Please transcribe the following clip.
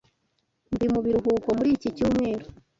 Ndi mu biruhuko muri iki cyumweru.